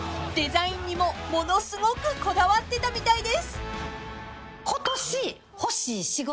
［デザインにもものすごくこだわってたみたいです］